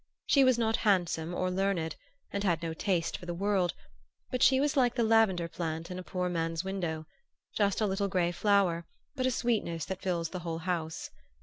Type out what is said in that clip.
She was not handsome or learned, and had no taste for the world; but she was like the lavender plant in a poor man's window just a little gray flower, but a sweetness that fills the whole house.